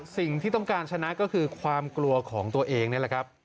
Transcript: สิ่งที่ต้องการชนะก็คือความกลัวของตัวเองนี่แหละครับ